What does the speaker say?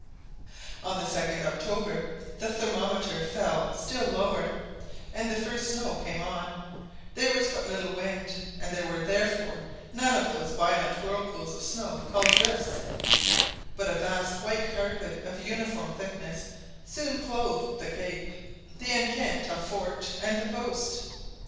On the 2nd October the thermometer fell still lower, and the first snow storm came on; there was but little wind, and there were therefore none of those violent whirlpools of snow called drifts, but a vast white carpet of uniform thickness soon clothed the cape, the enceinte of fort, and the coast.